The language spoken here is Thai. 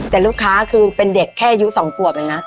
แต่ลูกค้าคือเป็นเด็กแค่ยุสองกว่าเหมือนนั้นนะ